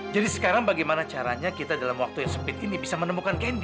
jadi sekarang bagaimana caranya kita dalam waktu yang sempit ini bisa menemukan candy